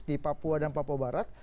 di papua dan papua barat